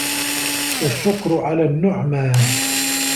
وَالشُّكْرُ عَلَى النُّعْمَى